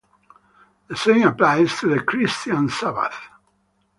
The same applies to the Christian Sabbath.